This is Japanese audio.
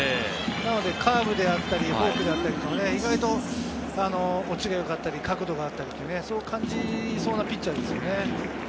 カーブであったり、フォークであったり、意外と落ちがよかったり角度があったりと、そう感じそうなピッチャーですね。